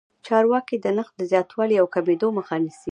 چارواکي د نرخ د زیاتوالي او کمېدو مخه نیسي.